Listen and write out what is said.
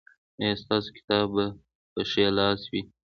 ایا ستاسو کتاب به په ښي لاس وي؟